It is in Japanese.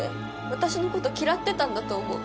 私のこと嫌ってたんだと思う。